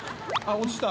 落ちた。